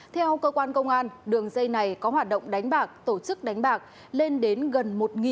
theo cơ quan công an đường dây này có hoạt động đánh bạc tổ chức đánh bạc lên đến gần một tỷ đồng